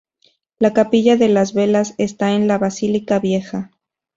La Capilla de las Velas está en la Basílica Vieja.